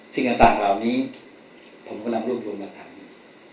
สิ่งอันต่างเหล่านี้ผมกำลังรวมรวมรักฐานี้